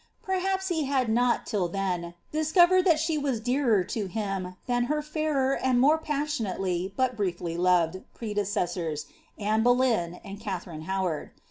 Perhaps he had ■ot, till tlien, discovered that she was dearer to him than her fairer and more passionately, but briefly loved, predecessors, Anne Boleyn, and Katharine Howard.